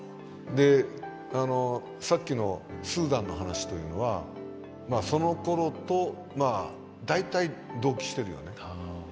でさっきのスーダンの話というのはそのころと大体同期してるよね。